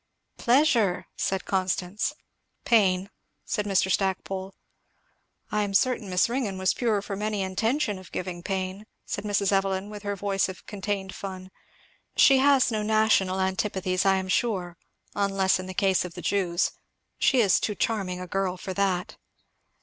"Pleasure!" said Constance. "Pain!" said Mr. Stackpole. "I am certain Miss Ringgan was pure from any intention of giving pain," said Mrs. Evelyn with her voice of contained fun. "She has no national antipathies, I am sure, unless in the case of the Jews, she is too charming a girl for that."